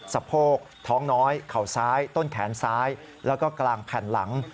สะโพกท้องน้อยเข่าซ้ายต้นแขนซ้ายแล้วก็กลางแผ่นหลัง